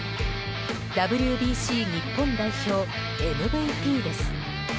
ＷＢＣ日本代表ＭＶＰです。